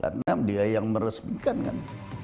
karena dia yang meresmikan kan